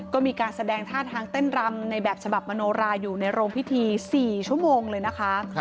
ก็มีการแสดงท่าทางเต้นรำในแบบฉบับมโนราอยู่ในโรงพิธี๔ชั่วโมงเลยนะคะ